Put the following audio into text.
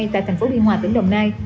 tại thành phố biên hòa tỉnh đồng nai